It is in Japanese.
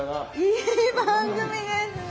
いい番組ですね。